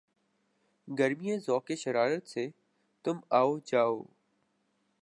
گرمیِ ذوقِ شرارت سے تُم آؤ جاؤ